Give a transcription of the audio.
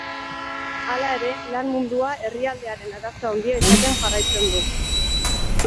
Hala ere, lan mundua herrialdearen arazo handia izaten jarraitzen du.